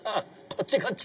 こっちこっち！